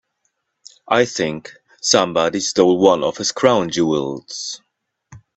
I think somebody stole one of his crown jewels.